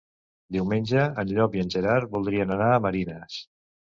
Diumenge en Llop i en Gerard voldrien anar a Marines.